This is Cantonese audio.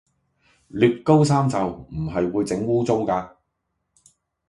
捋高衫袖唔係會整污穢㗎